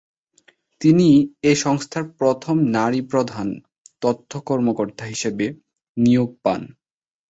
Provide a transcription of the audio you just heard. তিনি এ সংস্থার প্রথম নারী প্রধান তথ্য কর্মকর্তা হিসেবে নিয়োগ পান।